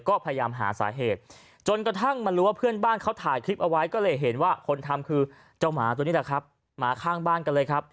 กฎหมายเขาเอาผิดเจ้าของได้นะค่ะ